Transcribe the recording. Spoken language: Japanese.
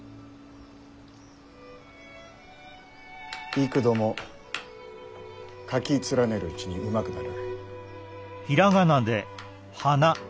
幾度も書き連ねるうちにうまくなる。